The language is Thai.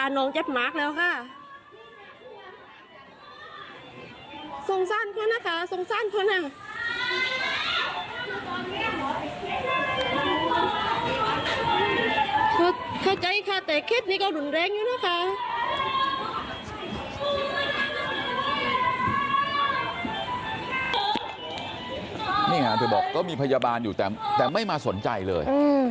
นี่ค่ะเธอบอกก็มีพยาบาลอยู่แต่ไม่มาสนใจเลย